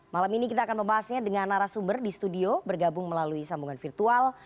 malam ini kita akan membahasnya dengan narasumber di studio bergabung melalui sambungan virtual